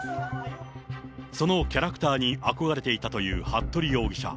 そのキャラクターに憧れていたという服部容疑者。